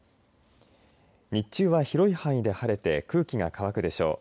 日中は広い範囲で晴れて空気が乾くでしょう。